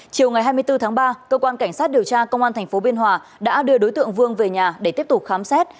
chiều ngày hai mươi bốn tháng ba cơ quan cảnh sát điều tra công an tp biên hòa đã đưa đối tượng vương về nhà để tiếp tục khám xét